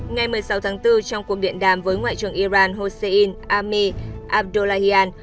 ngày một mươi sáu tháng bốn trong cuộc điện đàm với ngoại trưởng iran hossein amir abdullahian